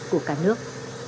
của cả nước